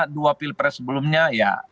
dua pil pres sebelumnya ya